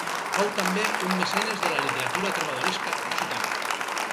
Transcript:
Fou també un mecenes de la literatura trobadoresca occitana.